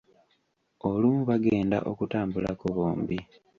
Olumu bagenda okutambulako bombi.